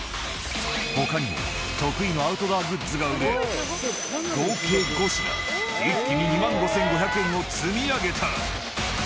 ほかにも得意のアウトドアグッズが売れ、合計５品、一気に２万５５００円を積み上げた。